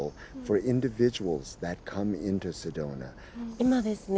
今ですね